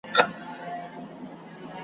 بریالي وه له دې فتحي یې زړه ښاد وو .